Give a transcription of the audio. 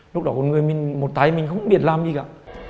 lúc đó con người một tay mình không biết làm gì cả